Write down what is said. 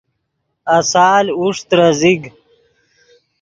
آسال اوݰ ترے زیگ